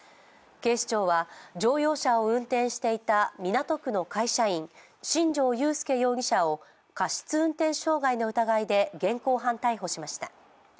警視庁は乗用車を運転していた港区の会社員・新庄祐介容疑者を過失運転傷害の疑いで現行犯逮捕しました。